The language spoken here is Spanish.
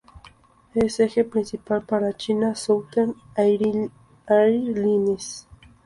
Es eje principal para China Southern Airlines.